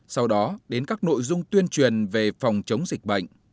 sau đó đến các nội dung tuyên truyền về phòng chống dịch bệnh